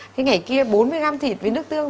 thế ngày kia bốn mươi gram thịt với nước tương